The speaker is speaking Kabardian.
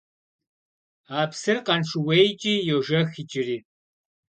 А псыр Къаншыуейкӏи йожэх иджыри.